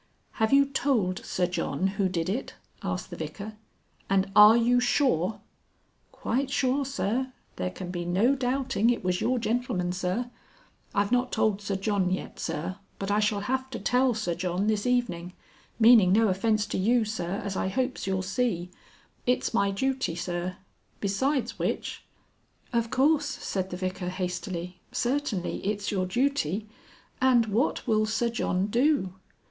"Have you told Sir John who did it?" asked the Vicar. "And are you sure?" "Quite sure, Sir. There can be no doubting it was your gentleman, Sir. I've not told Sir John yet, Sir. But I shall have to tell Sir John this evening. Meaning no offence to you, Sir, as I hopes you'll see. It's my duty, Sir. Besides which " "Of course," said the Vicar, hastily. "Certainly it's your duty. And what will Sir John do?"